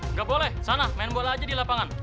nggak boleh sana main bola aja di lapangan